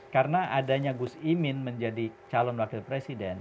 karena adanya gus imin menjadi calon wakil presiden